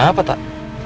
oh kenapa tak